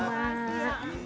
makasih ya emak